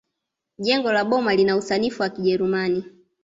jengo la boma lina usanifu wa kijerumani